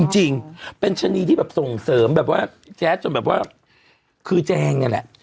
จริงเป็นชะนีที่แบบส่งเสริมแบบว่าแจ๊ดจนแบบว่าคือแจงเนี่ยแหละ